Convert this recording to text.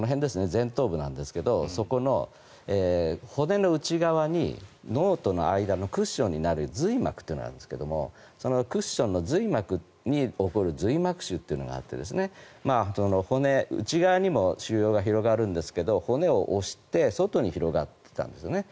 前頭部なんですがそこの骨の内側に脳との間のクッションになる髄膜というのがありますがそのクッションの髄膜に起こる髄膜腫というのがあって内側にも腫瘍が広がるんですが骨を押して外に広がっていたんですね。